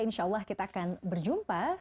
insya allah kita akan berjumpa